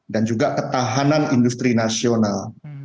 dan juga ketahanan industri nasional